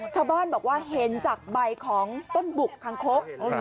ชาวบ้านบอกว่าเห็นจากใบต้นบุคคลางครบ